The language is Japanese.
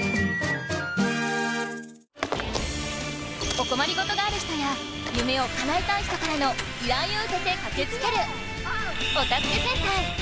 おこまりごとがある人やゆめをかなえたい人からの依頼をうけてかけつける！